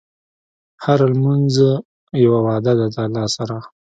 هره لمونځ یوه وعده ده د الله سره.